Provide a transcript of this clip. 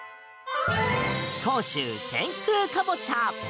甲州天空かぼちゃ。